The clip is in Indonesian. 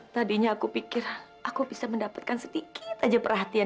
tadinya aku pikir aku bisa mendapatkan sedikit aja perhatian